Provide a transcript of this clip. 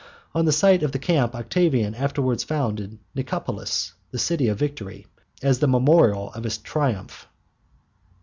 On the site of the camp Octavian afterwards founded Nicopolis, "the City of Victory," as the memorial of his triumph.